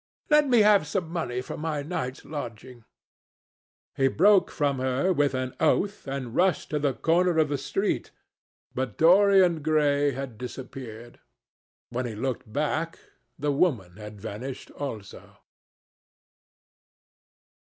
Let me have some money for my night's lodging." He broke from her with an oath and rushed to the corner of the street, but Dorian Gray had disappeared. When he looked back, the woman had vanished also.